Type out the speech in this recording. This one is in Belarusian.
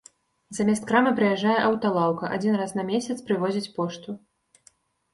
Замест крамы прыязджае аўталаўка, адзін раз на месяц прывозяць пошту.